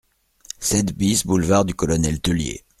sept BIS boulevard du Colonel Teulié